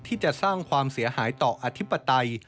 ที่จะสร้างความเสียหายต่ออธิปไตย